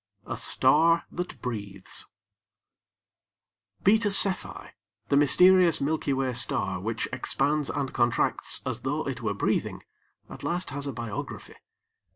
A STAR THAT BREATHES Beta Cephei, the mysterious Milky Way star which expands and contracts as though it were breathing, at last has a biography.